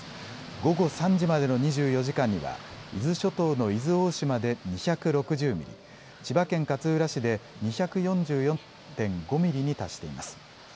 午後３時までの２４時間には伊豆諸島の伊豆大島で２６０ミリ、千葉県勝浦市で２４４．５ミリに達しています。